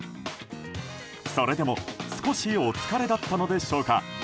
それでも少しお疲れだったのでしょうか。